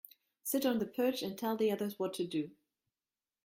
Sit on the perch and tell the others what to do.